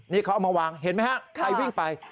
นี่เขาเอามาวางเห็นไหมฮะใครวิ่งไป